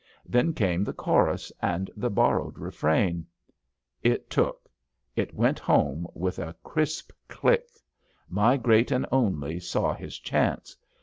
Then came the chorus and the borrowed refrain. It took — it went home with a crisp click. My Great and Only saw his chance.